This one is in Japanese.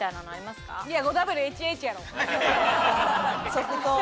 即答。